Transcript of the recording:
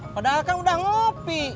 padahal kan udah ngopi